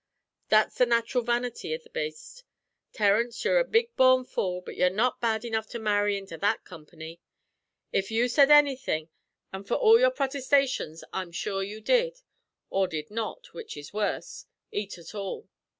That's the naturil vanity av the baste. Terence, you're a big born fool, but you're not bad enough to marry into that comp'ny. If you said anythin', an' for all your protestations I'm sure you did or did not, which is worse eat ut all.